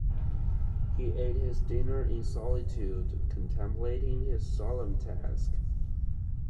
He ate his dinner in solitude, contemplating his solemn task.